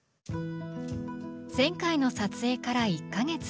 前回の撮影から１か月。